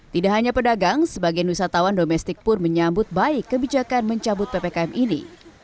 tidak hanya pedagang sebagian wisatawan domestik pun menyambut baik kebijakan mencabut ppkm ini